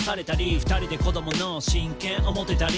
「２人で子供の親権を持てたり」